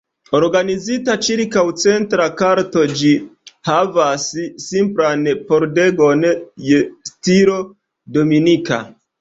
Organizita ĉirkaŭ centra korto, ĝi havas simplan pordegon je stilo dominika.